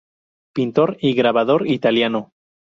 Pintor y grabador italiano.